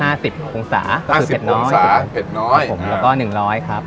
ห้าสิบองศาห้าสิบองศาเผ็ดน้อยแล้วก็หนึ่งร้อยครับ